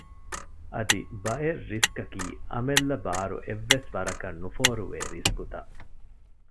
އަދި ބައެއް ރިސްކަކީ އަމިއްލަ ބާރު އެއްވެސް ވަރަކަށް ނުފޯރުވޭ ރިސްކުތައް